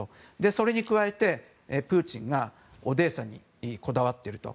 それに加えて、プーチンがオデーサにこだわっていると。